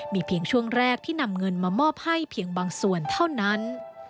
มีเพียงช่วงแรกที่นำเงินมามอบให้เพียงบางส่วนเท่านั้น